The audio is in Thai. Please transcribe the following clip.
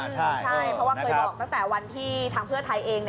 ใช่เพราะว่าเคยบอกตั้งแต่วันที่ทางเพื่อไทยเอง